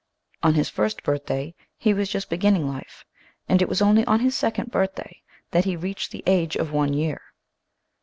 Oh his first birthday he was just beginning life and it was only on his second birthday that he reached the age of one year.